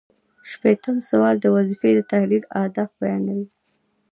شپیتم سوال د وظیفې د تحلیل اهداف بیانوي.